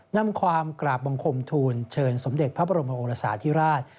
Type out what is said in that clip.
นำความกราบบังคมทูลเชิญสมเด็จพระบรมโอรสาธิราช